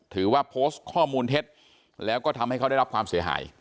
ถือว่าโพสต์ข้อมูลเท็จแล้วก็ทำให้เขาได้รับความเสียหาย